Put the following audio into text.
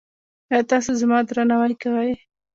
ایا تاسو زما درناوی کوئ؟